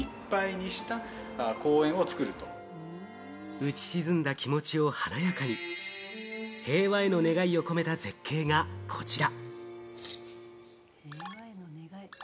打ち沈んだ気持ちを華やかに平和への願いを込めた絶景がこちら。